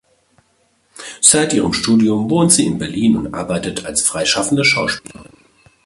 Seit ihrem Studium wohnt sie in Berlin und arbeitet als freischaffende Schauspielerin.